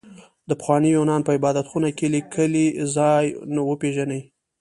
د پخواني يونان په عبادت خونه کې ليکلي ځان وپېژنئ.